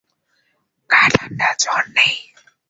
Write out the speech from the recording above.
গা ঠাণ্ডা, জ্বর নেই।